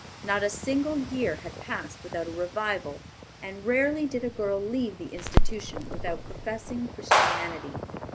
Not a single year had passed without a revival, and rarely did a girl leave the institution without professing Christianity.